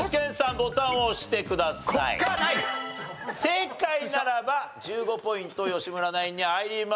正解ならば１５ポイント吉村ナインに入ります。